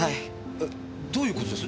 えどういう事です？